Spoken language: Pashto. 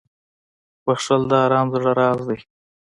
• بښل د ارام زړه راز دی.